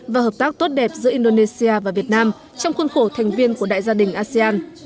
và hợp tác tốt đẹp giữa indonesia và việt nam trong khuôn khổ thành viên của đại gia đình asean